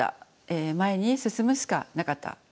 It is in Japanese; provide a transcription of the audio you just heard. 前に進むしかなかった。